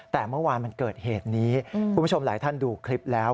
แต่เมื่อวานมันเกิดเหตุนี้คุณผู้ชมหลายท่านดูคลิปแล้ว